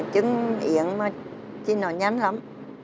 trứng yên mà trinh nó nhanh lắm